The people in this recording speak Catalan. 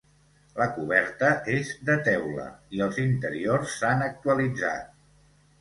La coberta és de teula i els interiors s'han actualitzat.